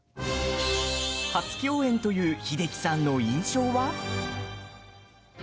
初共演という英樹さんの印象は？